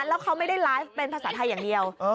แล้วเขาไม่ได้ไลฟ์เป็นภาษาไทยอย่างเดียว